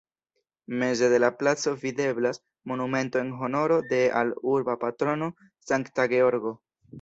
Meze de la placo videblas monumento en honoro de al urba patrono Sankta Georgo.